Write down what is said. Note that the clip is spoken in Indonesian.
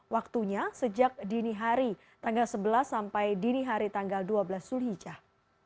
waktunya sejak dini hari tanggal sebelas sampai dini hari tanggal dua belas zulhijjah